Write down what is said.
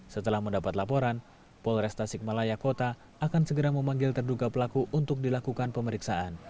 setelah mendapat laporan polres tasikmalaya kota akan segera memanggil terduga pelaku untuk dilakukan pemeriksaan